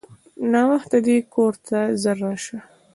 ناوخته دی کورته ژر راسه!